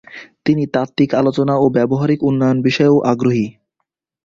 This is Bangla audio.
তিনি তাত্ত্বিক আলোচনা ও ব্যবহারিক উন্নয়ন বিষয়েও আগ্রহী।